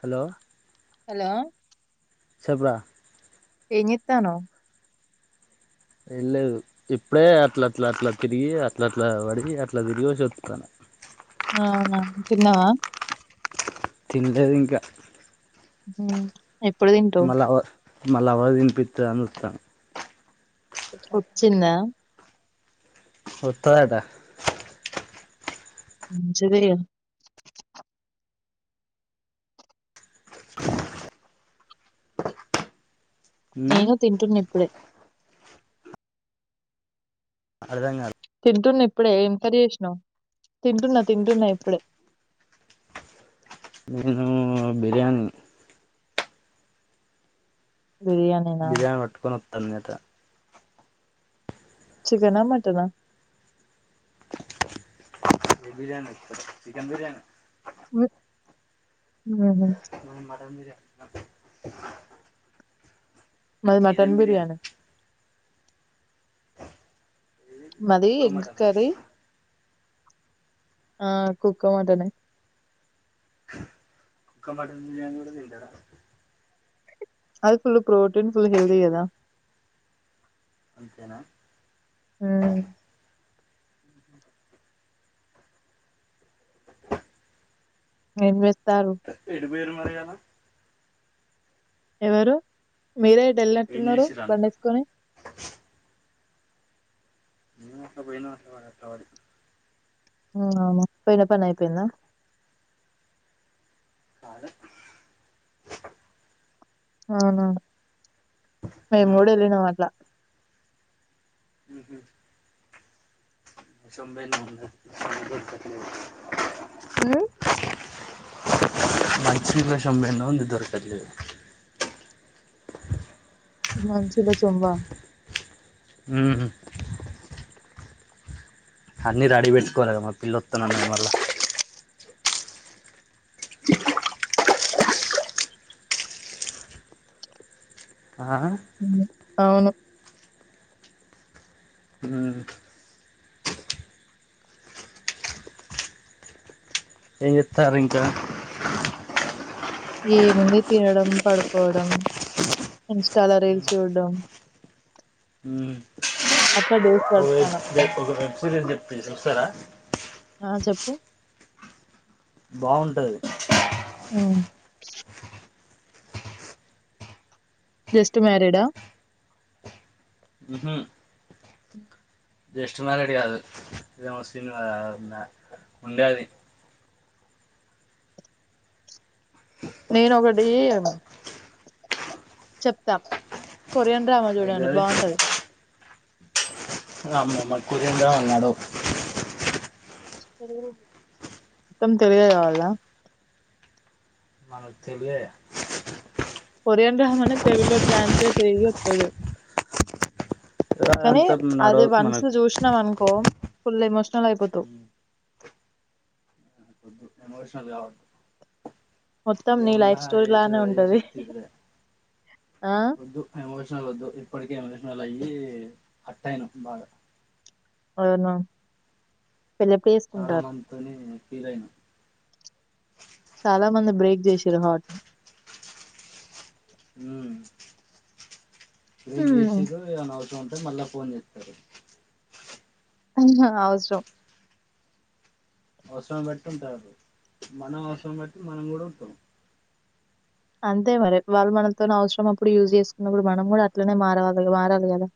Hello hello చెపుడా ఏజితానో వెల్లేదు ఇప్పుడే అట్ల అట్లా అట్లా తిరిగి అట్ల అట్లా పడి అట్లా తిరిగి చప్తాను ఆ తిన్నావా తినలేదు ఇంకా హ ఎప్పుడు తింటో మళ్ళీ అవ తినిపిస్తు అని వస్తాను వ చింద వత్తదట సరే ఉమ్ నేను తింటున్న ఇప్పుడే. అర్తం కాలే తింటున్నా ఇప్పుడే ఎంకర చేసినా తింటున్నా తింటున్నా ఇప్పుడే. నేను బిర్యాని బిర్యాని నా తినత చికెనా హా మటనా హా బిర్యానీ చికెన్ బిర్యానీ ము మటన్ బిర్యాని మది మటన్ బిర్యానీ మాది కుక్క ఎగ్ మటనా కర్రీ ఆ కుక్క మాటనే కుక్క మటన్ బిర్యానీ కూడా తింటారా మీరు. అది ఫుల్ ప్రోటీన్ ఫుల్ హెల్ది కదా అంతేనా ఆ [inaudible] ఏ ఏడు పేరు ఇయ్యాల ఎవరు మీరే ఏం వెళ్ళినట్టున్నారు చేసిర్రు బండి అంటున్న వేసుకొని [unintelligible] పోయిన పని అయిపోయిందా అవునండీ అవునా మేము ఉమ్ మూడు వెళ్ళినాం అట్లా సంభ [inaudible] ఉమ్ [unintelligible] [unintelligible] అ అన్ని రెడీ పెట్టుకోవాలి కదామా పిల్లొస్తునండి మళ్ళ ఆ హ్మ్. అవును ఉమ్, ఏం చెస్తారు ఇంకా ఏ ముంద తినడం పడుకోవడం ఇంస్టాలో రీల్స్ చూడడం ఉమ్, అట్లా డేస్ ఓ పడు. ఒక వెబ్ సిరీస్ చెప్ప చూస్తారా ప్పు బాగుంటది అ జస్ట్ మ్యారీడ్ ఆ ఉమ్మ్మ్ [inaudible] జస్ట్ మ్యారీడ్ కాదు ఇద ముస్లిం ఉండేది నేనొకటి చెప్తా కొరియాన్ డ్రామా ఏంటిది చూడండి అది? బాగుంటది అమ్మో మాకు కొరియన్ డ్రామాలు నడవ్ మొత్తం తెలుగే కావాలా మన తెలుగే కొరియాన్ డ్రామా నే తెలుగులో ట్రాన్స్లేేట్ చేయి వస్తది కానీ అంతా నడో అది వన్సు మనకు చూసినాం అనుకో ఫుల్ ఎమోషనల్ అయిపోతావ్ ఎమోషనల్ కావదు మొత్తం ఏం నీ లైఫ్ ఉన్నా స్టోరీ ఎస లానే ఉంటది. ఏేసుతే ఆ! ఉద్దు ఎమోషనల్ ఉదు ఇప్పటికే ఎమోష అలా అయి హార్ట్ అయినా బాగా అవును పెళ్లి ఎప్పుడు చాలా చేసుకుంటారు మందితోని ఫీల్ అయినా చాలా మంది బ్రేక్ చేసిరా హాట నీ హ్మ్మ్ బ్రేక్ హ్మ్. చేసిరు ఇగా ంటే మళ్ళా ఫోన్ చేస్తారు అ అవసరం అవసరం పెట్టింట మనం అవసరం పెట్టి మనం కూడా ఉంటాం అంతే మరి వాళ్ళు మనతోనీ అవసరం అప్పుడు యూజ్ చేసుకున్నప్పుడు మనం కూడా అట్లనే మారవాలి మారాలి కదా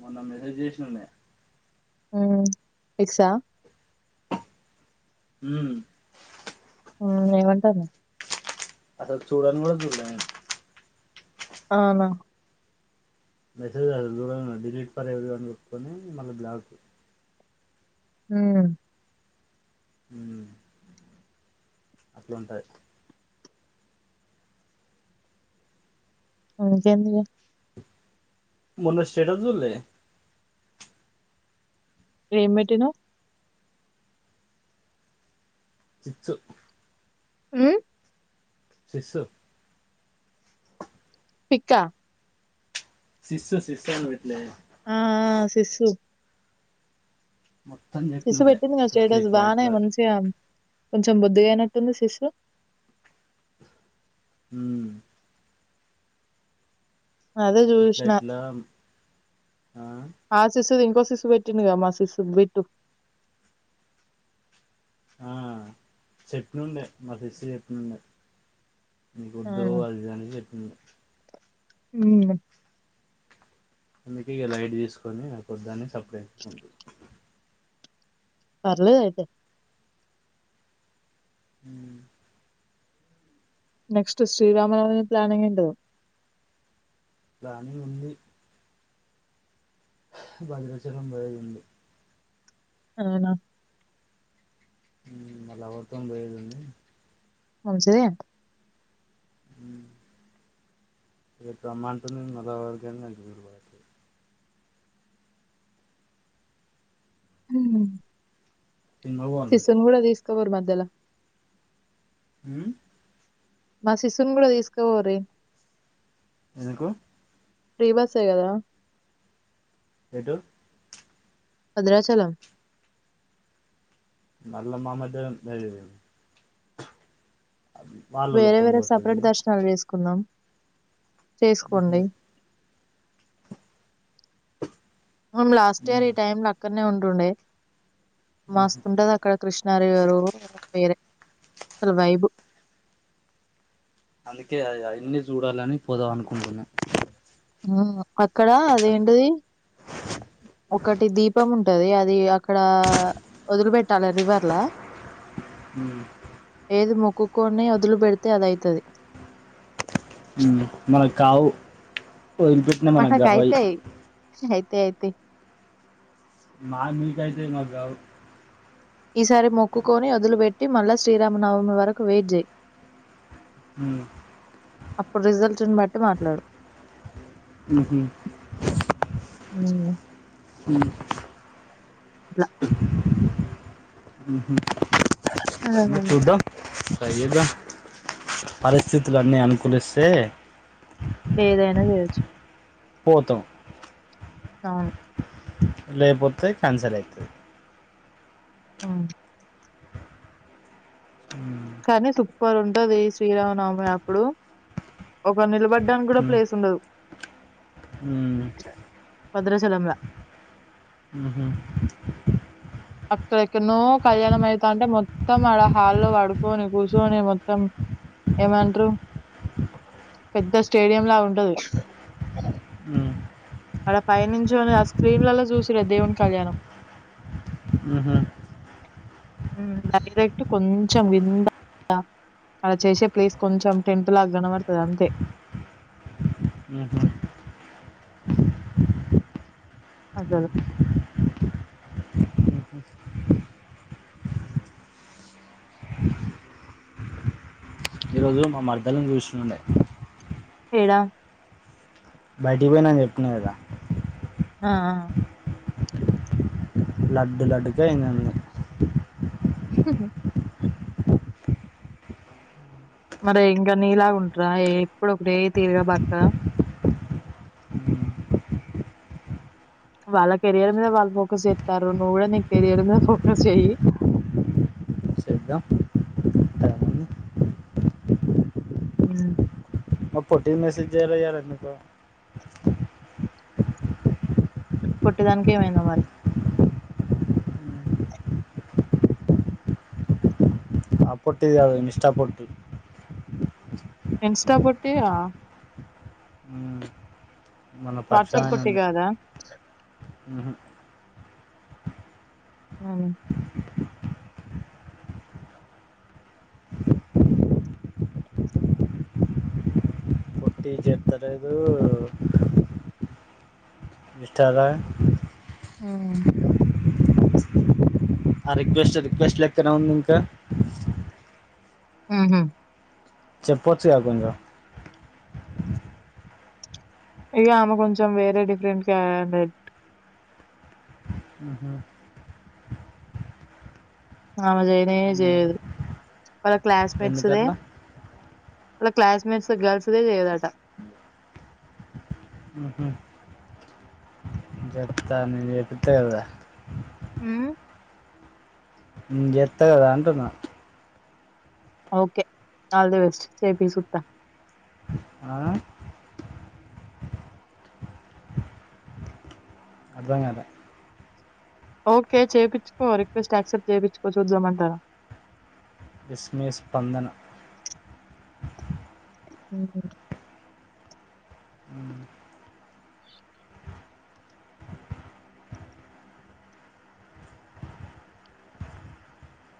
మొన్న మెసేజ్ చేసినాే ఉమ్ ఎక్సా హ్మ్మ్ ఏమిటంది అసలు చూడన్ కూడా చూడాలా నేన్ అవునా మెసేజ్ కాదు దుర డిలీట్ ఫర్ ఎవ్రీ వన్ కొట్టుకొని మల్ల బ్లాక్ హ హ్మ్మ్ అట్లు ఉంటాయి అను కంది మొన్న స్టేటస్ చూడ్లే ఏం పెట్టినావ్ చిిచ్చు ఆ సిశు పికా శిస్ శిసన్ పెట్టలేదే ఆ శిశు మొత్తం సిస్ చెప్పినుండే పెట్టింది గద ఇట్లా స్టేటస్ ఇట్లా బాగానే ఇట్లా మంచిగా కొంచెం బోద్ధిగా అయినట్టుంది శిశు ఉ అదే ఇట్లా చూసిన ఇట్లా ఆ ఆ సిస్ ది ఇంకో సిస్ పెట్టిండు గా మా సిస్ బిట్టు ఆ చెప్పినండే మా సిస్ చెప్పినండే మీకొద్దు అది అని చెప్పిండే ఉ అందుకే ఇగ లైట్ తీసుకొని నాకొద్దాని [unintelligible] పర్లేదు అయితే ఉ నెక్స్ట్ శ్రీరామనోనవి ప్లాన్ ఏందో దంధి ఉంది భద్రాచలం పోయేది ఉంది అవునా మ లవర్ తోని పోయేదుంది మంచిదే ఉ రేపు రమ్మంటోంది మా లవర్ కేమీ [unintelligible] ఉ సినిమాకి పోవాలి సిస్ రేపు ను కూడా తీసుకుపోరీ మరి దల ఉ మా సిస్ ను కూడా తీసుకపోరి ఎందుకు ఫ్రీ బసే కదా ఏటు భద్రాచలం మళ్ళా మా మద్యలో అది వేరే వాళ్ళోళ్ళతోని వేరే పోతది సెపరేట్ దర్శనాలు చెస్ కుందం ఉహు చేసుకోండి మేం లాస్ట్ ఇయర ఈ ఉమ్ టైమ్లా అక్కడినే ఉన్నాం డే మస్తుంటది అక్కడ కృష్ణ నరిగారు వేరే అసలు వైబ్ అందుకే అయన్నీ చూడాలని పోదాం అనుకుంటున్నా ఉ అక్కడ అదేంటది ఒకటి దీపం ఉంటది అది అక్కడ వదిలి పెట్టాలి రివర్లా ఉమ్ ఏది మొక్కుకొని అది వదిలిపెడితే అది అయితది హ్మ్ మనక్ కావు వదిలి పెట్టిన మనకు కావు అవి అయితయ్ అయితయ్ మా మీ కయితయ్ మాకు గావ్ ఈసారి మొక్కుకొని వదులుపెట్టి మళ్ళా శ్రీరామనవమి వరకు వెయిట్ జే హ అప్పుడు రిజల్ట్ని బట్టి మాట్లాడు హూ హూ హు హ ఇట్లా ఉహు ఆ ట్రై చేద్దాం పరిస్థితులన్నీ అనుకూలిస్తే ఏదైనా చేయచ్చు పోతాం అవును లేపోతే క్యాన్సలైతాయి ఆ కానీ సూపర్ ఉంటది శ్రీరామనమి అప్పుడు ఒక నిలబడి నికి కూడా ప్లేస్ ఉండదు భద్రాచలంలో అక్కడ ఎక్కన్నో కళ్యాణం అయితా ఉంటే మొత్తం ఆడ హాల్లో పడుకొని కూర్చని మొత్తం ఏమంటారు పెద్ద స్టేడియంలా ఉంటది ఆడ పైనించోని ఆ స్క్రీన్లలో చూసిరే దేవుని కళ్యాణం, డైరెక్ట్ కొంచెం కింద అడ చేసే ప్లేస్ కొంచెం టెంట్లా గనపడుతది అంతే అసలు ఈరోజు మా మరద్దలను చూస్తుండే ఏడా బయటకి పోయినాని చెప్తున్నా కదా ఆ లడ్డు లడ్డుక అయిందంది హ మరి ఇంకా నీలాగా ఉంటరా ఎప్పుడూ ఒకటె తీరుగా బతక వాళ్ళ కెరీయర్ మీద వాళ్ళు ఫోకస్ చెస్తారు నువ్వు కూడా నీ కెరీయర్ మీద ఫోకస్ చెయ్యి చేద్దాం టైం ఉంది అ మా పొట్టిది మెసేజ్ చేయలా ఈయాల ఎందుకో పొట్టి దానికి ఏమైందో మరి ఆ పొట్టిది అ ఇన్స్టా పొట్టి ఇన్స్టా పొట్టి ఆ ఉమ్. మన పరిచయం వాట్సప్ ఆయన పొట్టి ఉండే గాదా ఉహు. అ టీ చెప్తర్లేదు ఇన్స్టా లా ఉ ఆ రిక్వెస్ట్ రిక్వెస్ట్ లెక్కనే ఉంది ఇంకా ఆహా చెప్పొచ్చుగా కొంచం ఇగ ఆమె కొంచెం వేరే డిఫరెంట్ క్యారేట్ ఉహు. ఆమె జైయనే ఉమ్. చేయదు మర్ క్లాస్మేట్స్దే ఎందుకట్లా వాళ్ళ క్లాస్మేట్స్ గల్స్దే చేయదాటా ఆహ చెప్తా నే చెపీత్త కదా హు నిన్ చెత్త కదా అంటున్నా ఓకే ఆల్ ద బెస్ట్ చేపియ్ సుత్త ఆ? అర్ధం కాలే ఓకే చేపిచ్చుకో రిక్వెస్ట్ యాక్సెప్ట్ చేపిచ్చుకో చూద్దామంటానా బెస్మి స్పందన హ